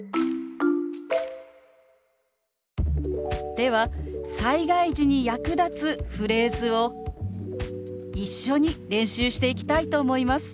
では災害時に役立つフレーズを一緒に練習していきたいと思います。